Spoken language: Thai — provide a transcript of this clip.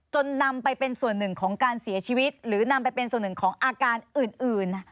นำไปเป็นส่วนหนึ่งของการเสียชีวิตหรือนำไปเป็นส่วนหนึ่งของอาการอื่น